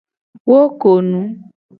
Wo ko nu.